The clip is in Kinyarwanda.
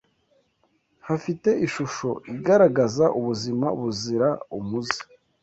hafite ishusho igaragaza ubuzima buzira umuze